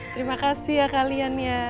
terima kasih ya kalian ya